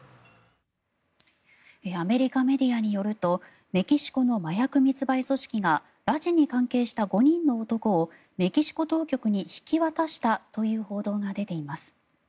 アメリカメディアによるとメキシコの麻薬密売組織が拉致に関係した４人の男をメキシコ当局に引き渡したという報道が出ています。